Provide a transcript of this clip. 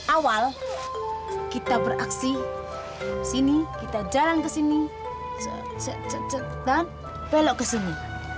awal kita beraksi sini kita jalan ke sini dan belok ke sini